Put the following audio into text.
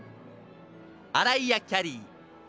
アライア・キャリー。